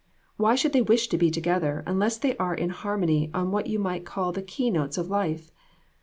Why should they wish to be together unless they are in harmony on what you might call the keynotes of life?